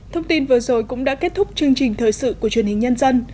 thông tin vừa rồi cũng đã kết thúc chương trình thời sự của truyền hình nhân dân